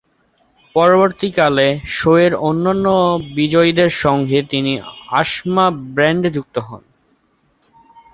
পরবর্তীকালে, শোয়ের অন্যান্য বিজয়ীদের সঙ্গে তিনি আসমা ব্যান্ডে যুক্ত হন।